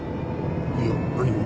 いや何も。